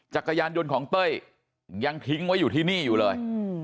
จักรยานยนต์ของเต้ยยังทิ้งไว้อยู่ที่นี่อยู่เลย